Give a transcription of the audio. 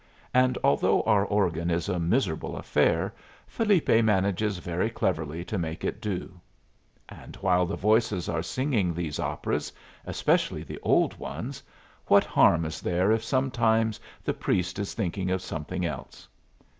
And although our organ is a miserable affair, Felipe manages very cleverly to make it do. And while the voices are singing these operas, especially the old ones, what harm is there if sometimes the priest is thinking of something else?